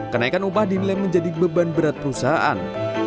kenaikan upah dinilai menjadi beban berat perusahaan